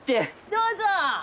どうぞ！